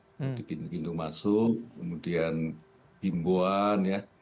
jadi pindung pindung masuk kemudian bimboan ya